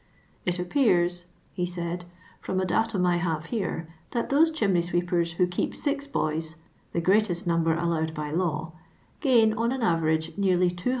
" It appears," he said, " from a datum I have here, that those chimney sweepers who keep six boys (the greatest number allowed by hiw) gain, on an average, nearly 270